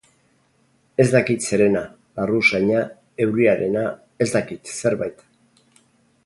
Ez dakit zerena, larru usaina, euriarena, ez dakit, zerbait.